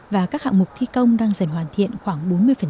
và các hạng mục thi công đang dần hoàn thiện khoảng bốn mươi